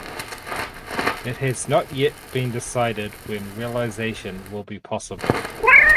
It has not yet been decided when realization will be possible.